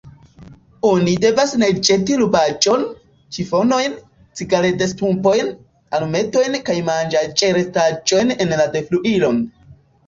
Oni devas ne ĵeti rubaĵon, ĉifonojn, cigaredstumpojn, alumetojn kaj manĝaĵrestaĵojn en la defluilon.